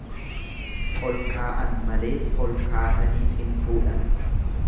Ol kaa'an malee ol kaataniif hin fuudhan.